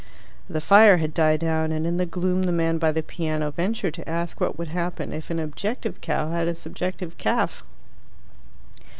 The fire had died down, and in the gloom the man by the piano ventured to ask what would happen if an objective cow had a subjective calf.